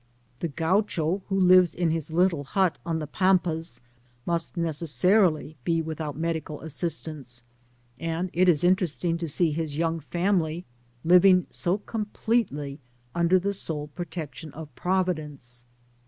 Tht Gaucho, who lives in his little hut on the Pampas, must necessarily be without medical assistance, and it is interesting to see his young >£Eum]y living ao completely under the sole protection of Providence?